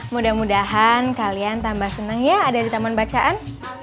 mudah mudahan kalian tambah senang ya ada di taman bacaan